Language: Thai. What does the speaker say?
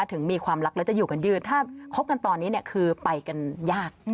ถึงมีความรักแล้วจะอยู่กันยืดถ้าคบกันตอนนี้เนี่ยคือไปกันยาก